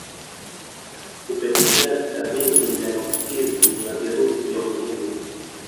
Kupelekea visa vingi vya maambukizi ya virusi vya Ukimwi